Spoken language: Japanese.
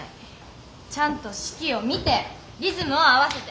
ちゃんと指揮を見てリズムを合わせて。